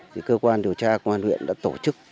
thì cơ quan điều tra công an huyện đã tổ chức